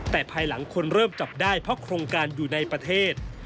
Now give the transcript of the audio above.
แต่ภายหลังคนเริ่มจับได้เพราะโครงการอยู่ในประเทศ